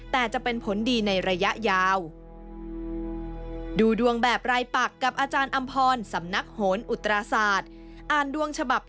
แต่จะเป็นผลดีในระยะยาว